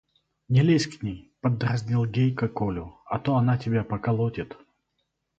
– Не лезь к ней, – поддразнил Гейка Колю, – а то она тебя поколотит.